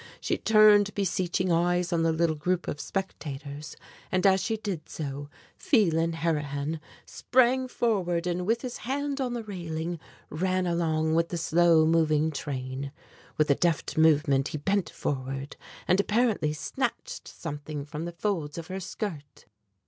She turned beseeching eyes on the little group of spectators, and as she did so Phelan Harrihan sprang forward and with his hand on the railing, ran along with the slow moving train. With a deft movement he bent forward and apparently snatched something from the folds of her skirt.